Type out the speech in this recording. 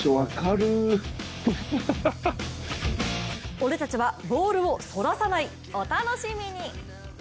俺たちはボールをそらさない、お楽しみに！